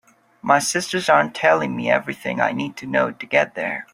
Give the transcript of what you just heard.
My sisters aren’t telling me everything I need to know to get there.